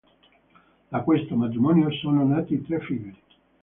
Da questo matrimonio sono nati tre figli.